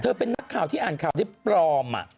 เธอเป็นนักข่าวที่อ่านข่าวที่ปลอมอ่ะ